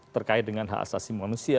terkait dengan hak asasi manusia